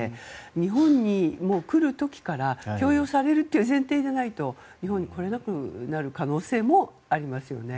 日本に来る時から強要されるという前提でないと日本に来れなくなる可能性もありますよね。